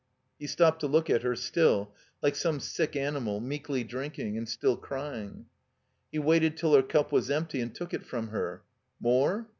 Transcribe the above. He stopped to look at her, still, Uke some sick animal, meekly drinking, and still crying. He waited till her cup was empty and took it from her. "More?"